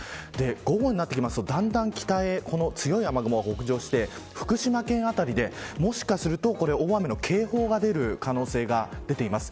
午後になってくるとだんだん北上してこの強い雨雲が北上して福島県辺りで、もしかすると大雨の警報が出る可能性が出ています。